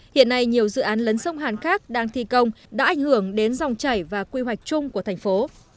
hiện nay nhiều dự án lấn sông hàn khác đang thi công đã ảnh hưởng đến dòng chảy và quy hoạch chung của thành phố